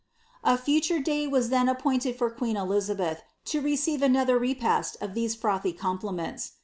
A future day was then appointed for queea Elizabeth to receiTe other repast of these froihy compliments.